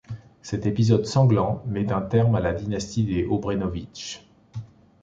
Cet épisode sanglant met un terme à la dynastie des Obrenović.